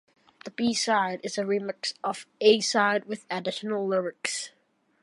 The B-side is a remix of the A-side with additional lyrics.